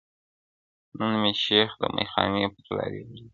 • نن مي شیخ د میخانې پر لاري ولید -